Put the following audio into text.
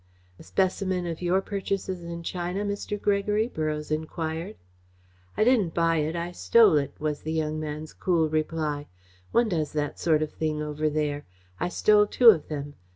"A specimen of your purchases in China, Mr. Gregory?" Borroughes enquired. "I didn't buy it; I stole it," was the young man's cool reply. "One does that sort of thing over there. I stole two of them.